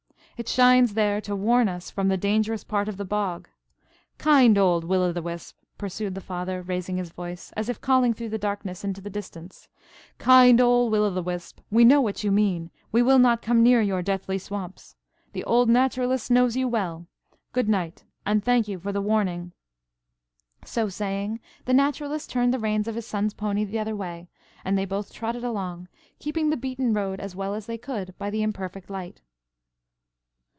It shines there to warn us from the dangerous part of the bog. Kind old Will o' the Wisp!" pursued the Father, raising his voice, as if calling through the darkness into the distance–"Kind old Will o' the Wisp, we know what you mean; we will not come near your deathly swamps. The Old Naturalist knows you well–good night, and thank you for the warning." So saying, the Naturalist turned the reins of his son's pony the other way, and they both trotted along, keeping the beaten road as well as they could by the imperfect light.